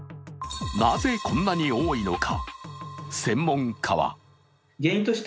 なぜこんなに多いのか。